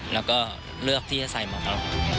แล้วก็เลือกที่ให้ใส่มาก่อน